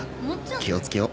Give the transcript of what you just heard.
気を付けよう。